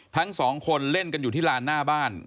ทั้งสองคนเล่นกันอยู่ที่ลานหน้าบ้าน